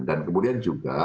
dan kemudian juga